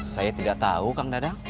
saya tidak tau kang dadah